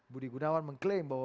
budi gunawan mengklaim bahwa